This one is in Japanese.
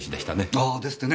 ああですってね。